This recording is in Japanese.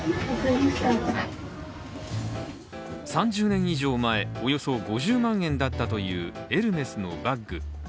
３０年以上前、およそ５０万円だったというエルメスのバッグ。